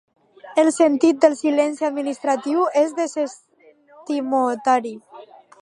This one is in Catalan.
El sentit del silenci administratiu és desestimatori.